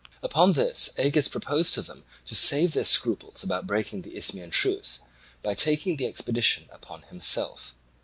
Upon this Agis proposed to them to save their scruples about breaking the Isthmian truce by taking the expedition upon himself.